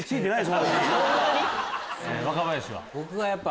若林は？